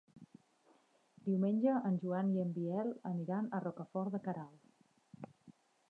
Diumenge en Joan i en Biel aniran a Rocafort de Queralt.